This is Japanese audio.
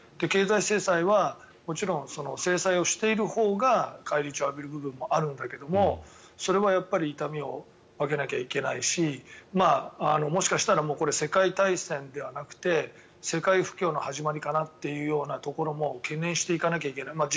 経済制裁はもちろん制裁をしているほうが返り血を浴びる部分もあるんだけどそれはやっぱり痛みを分けなきゃいけないしもしかしたら世界大戦ではなくて世界不況の始まりかなというところも懸念していかなきゃいけない。